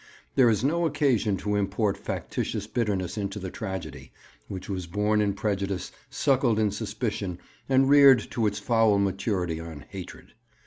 There is no occasion to import factitious bitterness into the tragedy, which was born in prejudice, suckled in suspicion, and reared to its foul maturity on hatred.